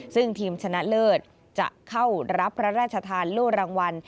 ซึ่งทีมชนะเลิศจะเข้ารับพระราชทานโล่รางวัล